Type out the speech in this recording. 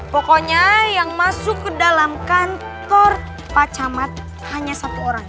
pokoknya yang masuk ke dalam kantor pak camat hanya satu orang